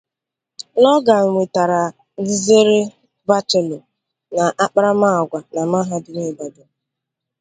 Logan nwetara nzere bachelọ na akparamaagwa na mahadum Ibadan.